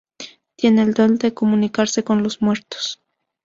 Tiene el don de comunicarse con los muertos.